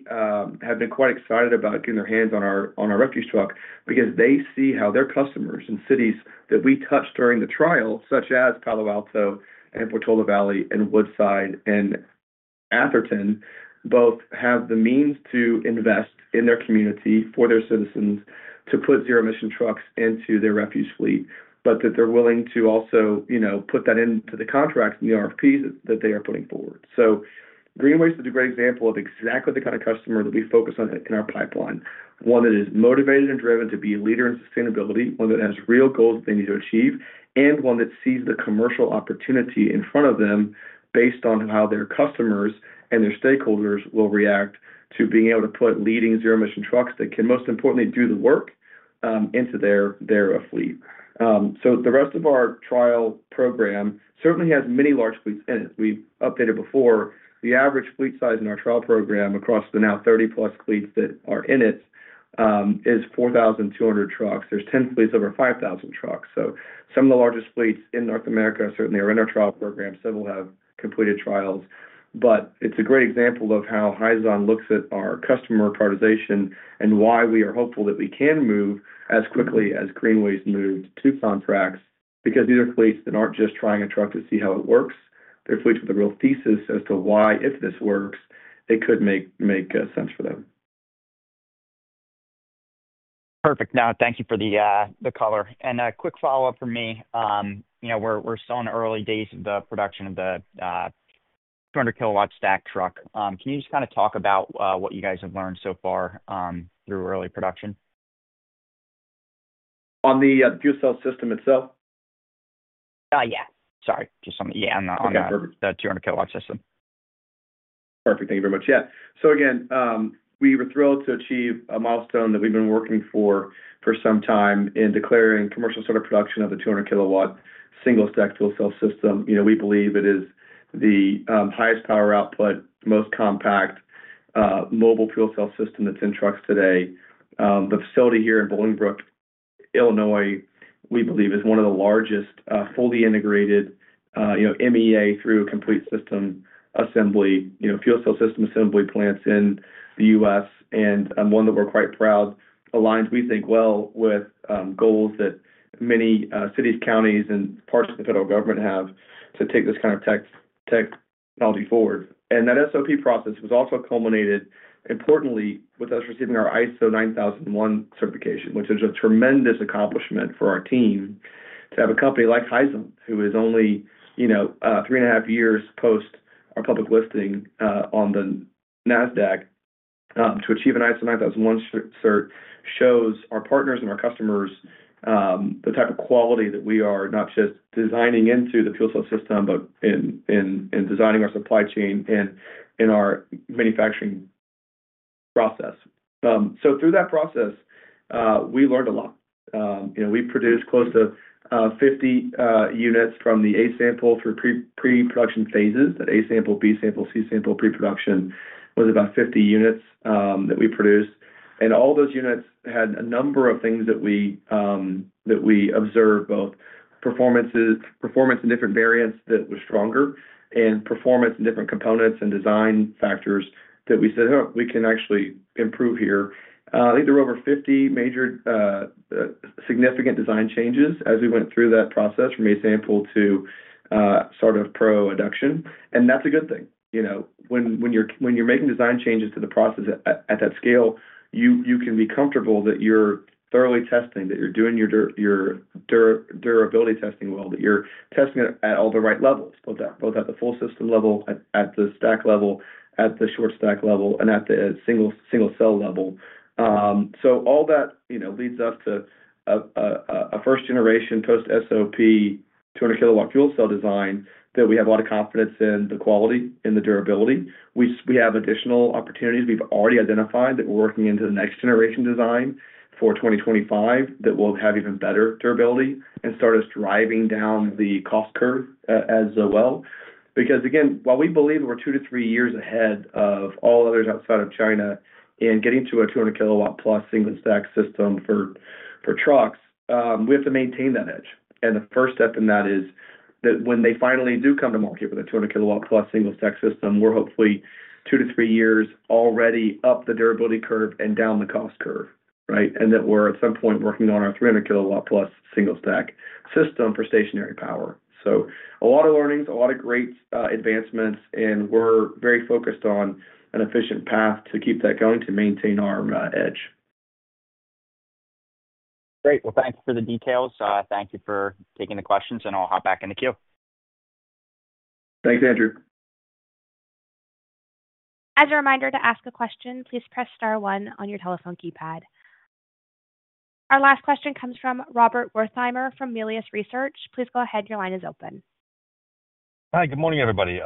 have been quite excited about getting their hands on our refuse truck because they see how their customers and cities that we touched during the trial, such as Palo Alto and Portola Valley and Woodside and Atherton, both have the means to invest in their community for their citizens to put zero-emission trucks into their refuse fleet, but that they're willing to also put that into the contracts and the RFPs that they are putting forward. GreenWaste is a great example of exactly the kind of customer that we focus on in our pipeline, one that is motivated and driven to be a leader in sustainability, one that has real goals that they need to achieve, and one that sees the commercial opportunity in front of them based on how their customers and their stakeholders will react to being able to put leading zero-emission trucks that can, most importantly, do the work into their fleet. So the rest of our trial program certainly has many large fleets in it. We've updated before. The average fleet size in our trial program across the now 30+ fleets that are in it is 4,200 trucks. There's 10 fleets over 5,000 trucks. So some of the largest fleets in North America certainly are in our trial program, several have completed trials. But it's a great example of how Hyzon looks at our customer prioritization and why we are hopeful that we can move as quickly as GreenWaste moved to contracts because these are fleets that aren't just trying a truck to see how it works. They're fleets with a real thesis as to why, if this works, it could make sense for them. Perfect. No, thank you for the color. And a quick follow-up from me. We're still in the early days of the production of the 200kW stack truck. Can you just kind of talk about what you guys have learned so far through early production? On the Fuel Cell System itself? Yeah. Sorry. Just on the, yeah, on the 200kW system. Perfect. Thank you very much. Yeah. So again, we were thrilled to achieve a milestone that we've been working for for some time in declaring commercial startup production of the 200kW single-stack Fuel Cell System. We believe it is the highest power output, most compact mobile Fuel Cell System that's in trucks today. The facility here in Bolingbrook, Illinois, we believe, is one of the largest fully integrated MEA through complete system assembly, Fuel Cell System assembly plants in the U.S., and one that we're quite proud aligns, we think, well with goals that many cities, counties, and parts of the federal government have to take this kind of technology forward. And that SOP process was also culminated, importantly, with us receiving our ISO 9001 certification, which is a tremendous accomplishment for our team to have a company like Hyzon, who is only three and a half years post our public listing on the Nasdaq, to achieve an ISO 9001 cert shows our partners and our customers the type of quality that we are not just designing into the Fuel Cell System, but in designing our supply chain and in our manufacturing process. So through that process, we learned a lot. We produced close to 50 units from the A sample through pre-production phases. That A sample, B sample, C sample, pre-production was about 50 units that we produced. All those units had a number of things that we observed, both performance in different variants that were stronger and performance in different components and design factors that we said, "Oh, we can actually improve here." I think there were over 50 major significant design changes as we went through that process from A-sample to sort of pre-production. That's a good thing. When you're making design changes to the process at that scale, you can be comfortable that you're thoroughly testing, that you're doing your durability testing well, that you're testing it at all the right levels, both at the full system level, at the stack level, at the short stack level, and at the single cell level. All that leads us to a first-generation post-SOP 200kW fuel cell design that we have a lot of confidence in the quality and the durability. We have additional opportunities. We've already identified that we're working into the next-generation design for 2025 that will have even better durability and start us driving down the cost curve as well. Because again, while we believe we're two to three years ahead of all others outside of China in getting to a 200kW plus single-stack system for trucks, we have to maintain that edge, and the first step in that is that when they finally do come to market with a 200kW plus single-stack system, we're hopefully two to three years already up the durability curve and down the cost curve, right, and that we're at some point working on our 300kW plus single-stack system for stationary power, so a lot of learnings, a lot of great advancements, and we're very focused on an efficient path to keep that going to maintain our edge. Great. Thanks for the details. Thank you for taking the questions, and I'll hop back into queue. Thanks, Andrew. As a reminder to ask a question, please press star one on your telephone keypad. Our last question comes from Robert Wertheimer from Melius Research. Please go ahead. Your line is open. Hi. Good morning, everybody.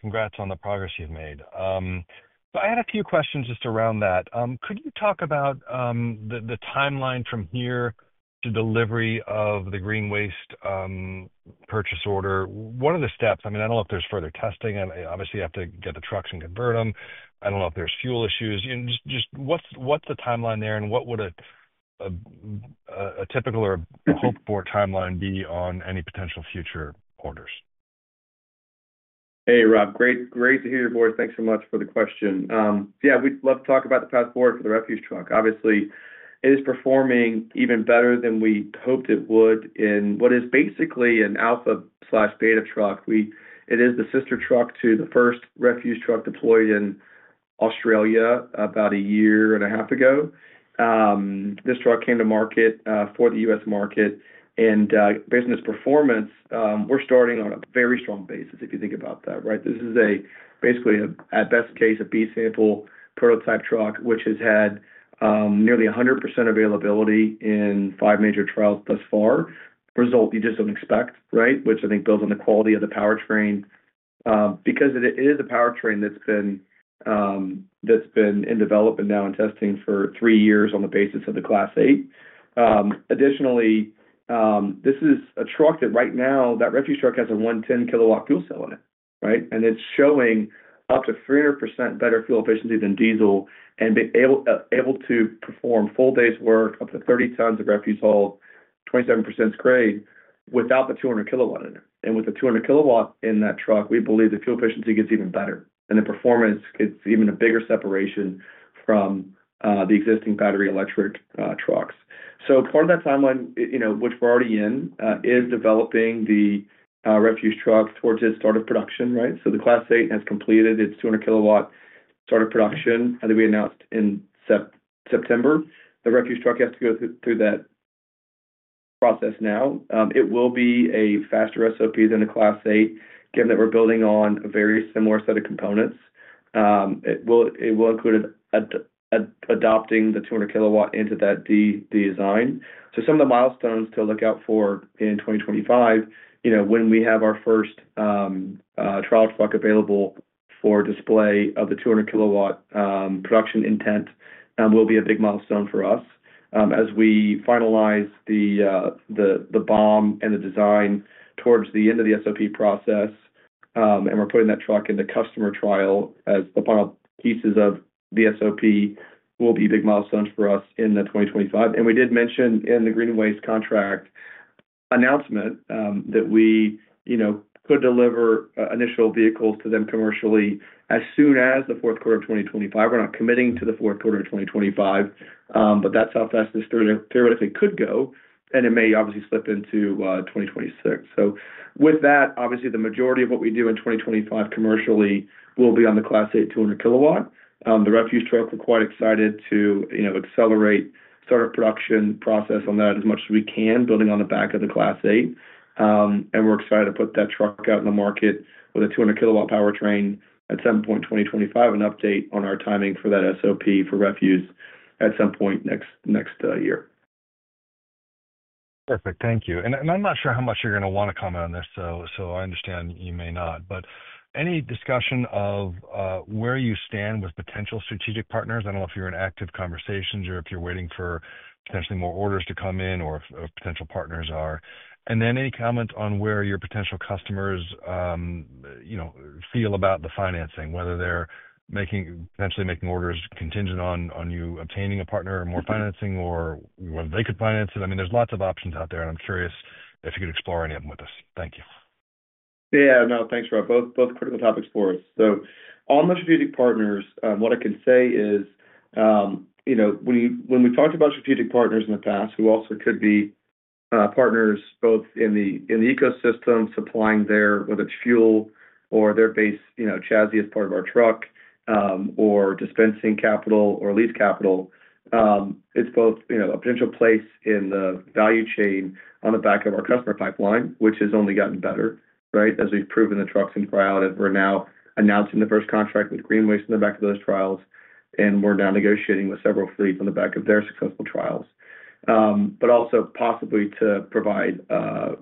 Congrats on the progress you've made. So I had a few questions just around that. Could you talk about the timeline from here to delivery of the GreenWaste purchase order? What are the steps? I mean, I don't know if there's further testing. Obviously, you have to get the trucks and convert them. I don't know if there's fuel issues. Just what's the timeline there, and what would a typical or a hopeful timeline be on any potential future orders? Hey, Rob. Great to hear your voice. Thanks so much for the question. Yeah, we'd love to talk about the path forward for the refuse truck. Obviously, it is performing even better than we hoped it would in what is basically an alpha/beta truck. It is the sister truck to the first refuse truck deployed in Australia about a year and a half ago. This truck came to market for the U.S. market. And based on its performance, we're starting on a very strong basis, if you think about that, right? This is basically, at best case, a B sample prototype truck, which has had nearly 100% availability in five major trials thus far. Result you just don't expect, right? Which I think builds on the quality of the powertrain because it is a powertrain that's been in development now and testing for three years on the basis of the Class 8. Additionally, this is a truck that right now, that refuse truck has a 110kW fuel cell in it, right? And it's showing up to 300% better fuel efficiency than diesel and able to perform full-day's work, up to 30 tons of refuse haul, 27% grade, without the 200kW in it. And with the 200kW in that truck, we believe the fuel efficiency gets even better, and the performance gets even a bigger separation from the existing battery electric trucks. So part of that timeline, which we're already in, is developing the refuse truck towards its start of production, right? So the Class 8 has completed its 200kW Start of Production that we announced in September. The refuse truck has to go through that process now. It will be a faster SOP than the Class 8, given that we're building on a very similar set of components. It will include adopting the 200kW into that design. Some of the milestones to look out for in 2025, when we have our first trial truck available for display of the 200kW production intent, will be a big milestone for us as we finalize the BOM and the design towards the end of the SOP process. We're putting that truck into customer trial as the final pieces of the SOP will be big milestones for us in 2025. We did mention in the GreenWaste contract announcement that we could deliver initial vehicles to them commercially as soon as the fourth quarter of 2025. We're not committing to the fourth quarter of 2025, but that's how fast this theoretically could go. It may obviously slip into 2026. So with that, obviously, the majority of what we do in 2025 commercially will be on the Class 8 200kW. The refuse truck we're quite excited to accelerate Start of Production process on that as much as we can, building on the back of the Class 8. And we're excited to put that truck out in the market with a 200kW powertrain at some point in 2025, an update on our timing for that SOP for refuse at some point next year. Perfect. Thank you. And I'm not sure how much you're going to want to comment on this, so I understand you may not. But any discussion of where you stand with potential strategic partners? I don't know if you're in active conversations or if you're waiting for potentially more orders to come in or if potential partners are. And then any comments on where your potential customers feel about the financing, whether they're potentially making orders contingent on you obtaining a partner or more financing or whether they could finance it? I mean, there's lots of options out there, and I'm curious if you could explore any of them with us. Thank you. Yeah. No, thanks, Rob. Both critical topics for us. So on the strategic partners, what I can say is when we talked about strategic partners in the past, who also could be partners both in the ecosystem, supplying there, whether it's fuel or their base chassis as part of our truck or dispensing capital or lease capital, it's both a potential place in the value chain on the back of our customer pipeline, which has only gotten better, right, as we've proven the trucks and [buses And we're now announcing the first contract with GreenWaste on the back of those trials. And we're now negotiating with several fleets on the back of their successful trials, but also possibly to provide a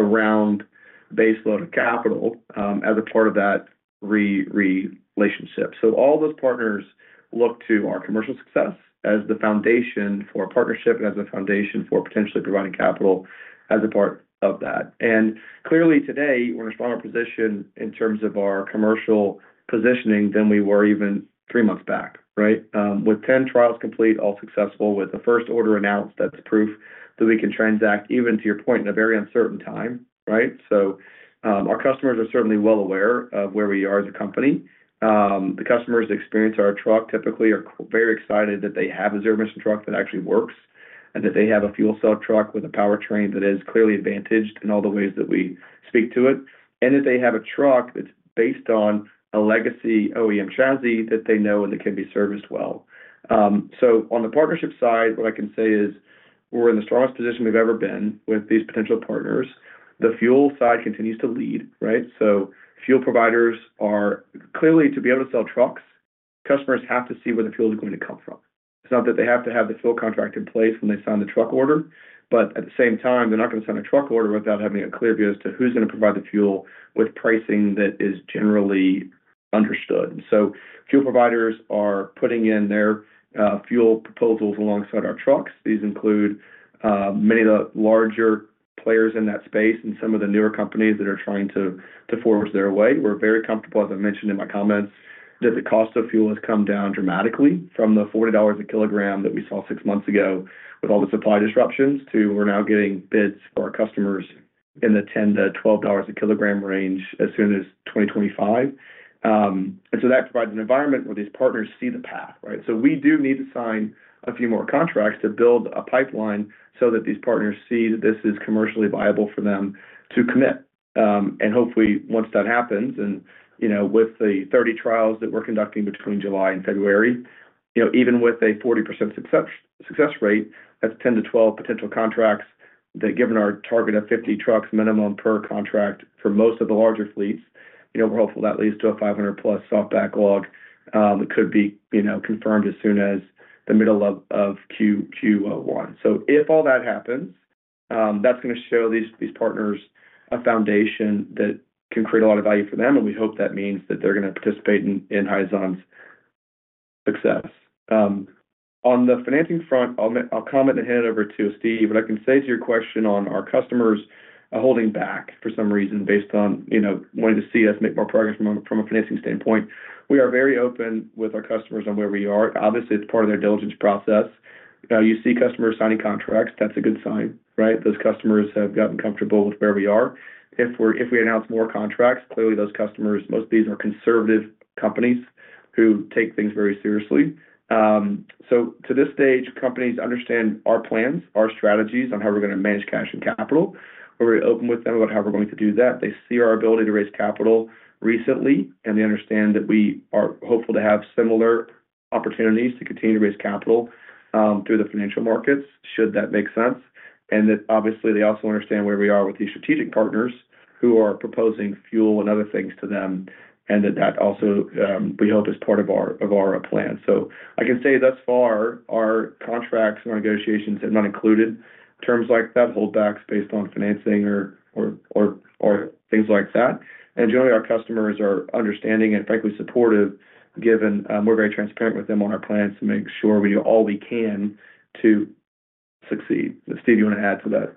round baseload of capital as a part of that relationship. So all those partners look to our commercial success as the foundation for a partnership and as the foundation for potentially providing capital as a part of that. And clearly, today, we're in a stronger position in terms of our commercial positioning than we were even three months back, right, with 10 trials complete, all successful, with a first order announced that's proof that we can transact, even to your point, in a very uncertain time, right? So our customers are certainly well aware of where we are as a company. The customers that experience our truck typically are very excited that they have a zero-emission truck that actually works and that they have a fuel cell truck with a powertrain that is clearly advantaged in all the ways that we speak to it, and that they have a truck that's based on a legacy OEM chassis that they know and that can be serviced well. So on the partnership side, what I can say is we're in the strongest position we've ever been with these potential partners. The fuel side continues to lead, right? So fuel providers are clearly, to be able to sell trucks, customers have to see where the fuel is going to come from. It's not that they have to have the fuel contract in place when they sign the truck order, but at the same time, they're not going to sign a truck order without having a clear view as to who's going to provide the fuel with pricing that is generally understood. And so fuel providers are putting in their fuel proposals alongside our trucks. These include many of the larger players in that space and some of the newer companies that are trying to forge their way. We're very comfortable, as I mentioned in my comments, that the cost of fuel has come down dramatically from the $40 per kilogram that we saw six months ago with all the supply disruptions to, we're now getting bids for our customers in the $10-$12 per kilogram range as soon as 2025. That provides an environment where these partners see the path, right? We do need to sign a few more contracts to build a pipeline so that these partners see that this is commercially viable for them to commit. Hopefully, once that happens, and with the 30 trials that we're conducting between July and February, even with a 40% success rate, that's 10 to 12 potential contracts that, given our target of 50 trucks minimum per contract for most of the larger fleets, we're hopeful that leads to a 500+ soft backlog that could be confirmed as soon as the middle of Q1. If all that happens, that's going to show these partners a foundation that can create a lot of value for them. We hope that means that they're going to participate in Hyzon's success. On the financing front, I'll comment and hand it over to Steve. What I can say to your question on our customers holding back for some reason based on wanting to see us make more progress from a financing standpoint, we are very open with our customers on where we are. Obviously, it's part of their diligence process. You see customers signing contracts. That's a good sign, right? Those customers have gotten comfortable with where we are. If we announce more contracts, clearly, those customers, most of these are conservative companies who take things very seriously. So to this stage, companies understand our plans, our strategies on how we're going to manage cash and capital. We're very open with them about how we're going to do that. They see our ability to raise capital recently, and they understand that we are hopeful to have similar opportunities to continue to raise capital through the financial markets, should that make sense, and that obviously, they also understand where we are with these strategic partners who are proposing fuel and other things to them, and that that also, we hope, is part of our plan. So I can say thus far, our contracts and our negotiations have not included terms like that, holdbacks based on financing or things like that, and generally, our customers are understanding and frankly supportive, given we're very transparent with them on our plans to make sure we do all we can to succeed. Steve, do you want to add to that?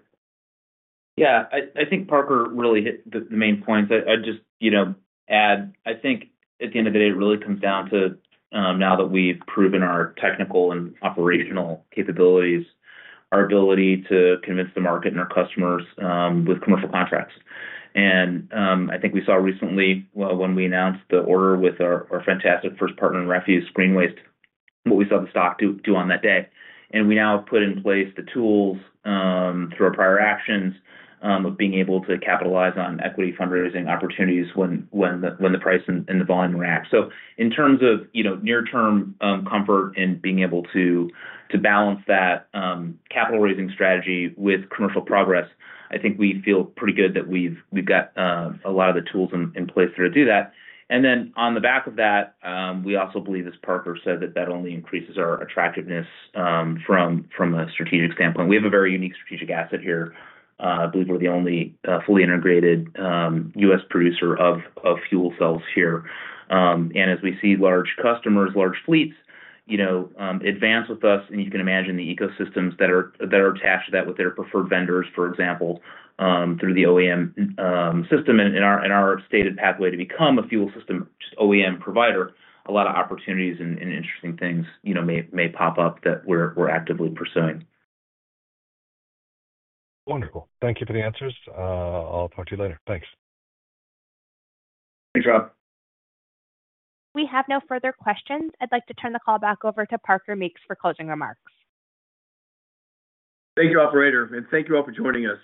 Yeah. I think Parker really hit the main points. I'd just add, I think at the end of the day, it really comes down to now that we've proven our technical and operational capabilities, our ability to convince the market and our customers with commercial contracts. I think we saw recently when we announced the order with our fantastic first partner in refuse, GreenWaste, what we saw the stock do on that day. We now have put in place the tools through our prior actions of being able to capitalize on equity fundraising opportunities when the price and the volume react. In terms of near-term comfort and being able to balance that capital raising strategy with commercial progress, I think we feel pretty good that we've got a lot of the tools in place to do that. And then on the back of that, we also believe, as Parker said, that that only increases our attractiveness from a strategic standpoint. We have a very unique strategic asset here. I believe we're the only fully integrated U.S. producer of fuel cells here. And as we see large customers, large fleets advance with us, and you can imagine the ecosystems that are attached to that with their preferred vendors, for example, through the OEM system and our stated pathway to become a fuel system OEM provider, a lot of opportunities and interesting things may pop up that we're actively pursuing. Wonderful. Thank you for the answers. I'll talk to you later. Thanks. Thanks, Rob. We have no further questions, I'd like to turn the call back over to Parker Meeks for closing remarks. Thank you, Operator. And thank you all for joining us.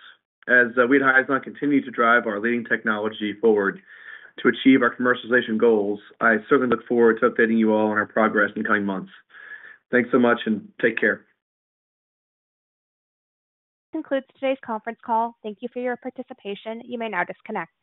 As we at Hyzon continue to drive our leading technology forward to achieve our commercialization goals, I certainly look forward to updating you all on our progress in the coming months. Thanks so much, and take care. This concludes today's conference call. Thank you for your participation. You may now disconnect.